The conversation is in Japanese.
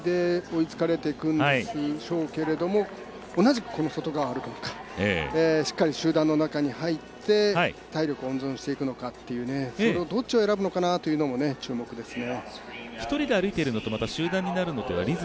恐らくこの周回で追いつかれていくんでしょうけれども同じくこの外側を歩くのかしっかり集団の中に入って体力を温存していくのか、どっちを選ぶのかも注目ですね。